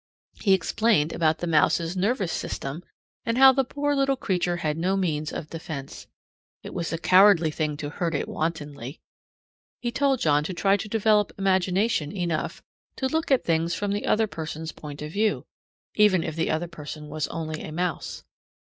He explained about the mouse's nervous system, and how the poor little creature had no means of defense. It was a cowardly thing to hurt it wantonly. He told John to try to develop imagination enough to look at things from the other person's point of view, even if the other person was only a mouse.